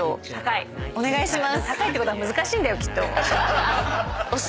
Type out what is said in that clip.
お願いします。